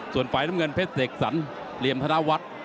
ส่วนฝ่ายน้ำเงินเพชรเสกสรรเหลี่ยมธนวัฒน์